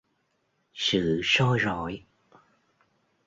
sự soi rọi